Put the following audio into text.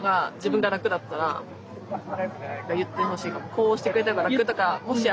こうしてくれたほうが楽とかもしあれば。